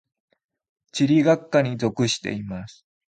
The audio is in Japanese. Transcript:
地理学科に属しています。